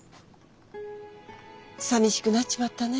寂しくなっちまったね。